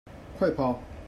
快跑！